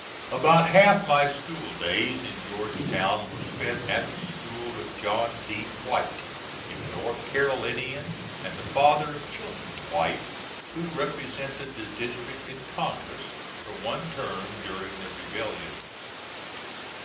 About half my school days in Georgetown were spent at the school of John D. White, a North Carolinian, and the father of Chilton White who represented the district in Congress for one term during the rebellion.